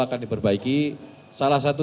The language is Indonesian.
akan diperbaiki salah satu